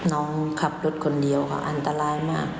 น้องขับรถคนเดียวค่ะอันตรายมาก